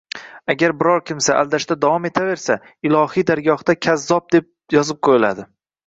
Agar biron kimsa aldashda davom etaversa, ilohiy dargohda “kazzob” deb yozib qo‘yiladi.